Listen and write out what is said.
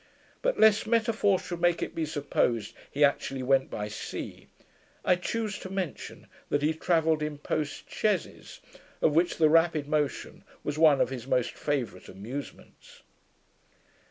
But, lest metaphor should make it be supposed he actually went by sea, I choose to mention that he travelled in post chaises, of which the rapid motion was one of his most favourite amusements.